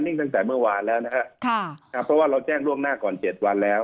ตั้งแต่เมื่อวานแล้วนะครับเพราะว่าเราแจ้งล่วงหน้าก่อน๗วันแล้ว